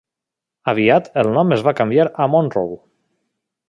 Aviat el nom es va canviar a Monroe.